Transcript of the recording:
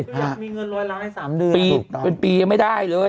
ยังมีเงินร้อยล้านใน๓เดือนปีเป็นปียังไม่ได้เลย